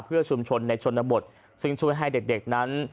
เพื่อชุมชนในชนบทซึ่งช่วยให้เด็กนั้น